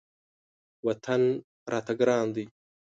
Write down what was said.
وطن راته ګران دی.